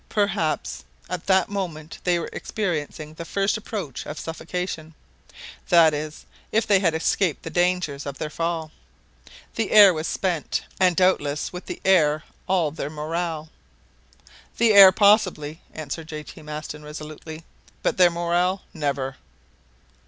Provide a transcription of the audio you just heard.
Perhaps at that moment they were experiencing the first approach of suffocation; that is, if they had escaped the dangers of their fall. The air was spent, and doubtless with the air all their morale. "The air, possibly," answered J. T. Maston resolutely, "but their morale never!"